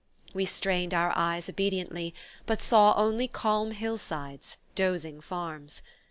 _" We strained our eyes obediently, but saw only calm hillsides, dozing farms.